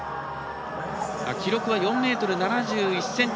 記録は４ｍ７１ｃｍ。